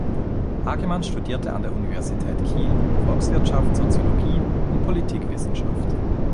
Hagemann studierte an der Universität Kiel Volkswirtschaft, Soziologie und Politikwissenschaft.